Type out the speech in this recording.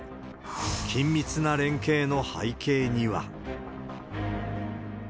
緊密な連携の背景には。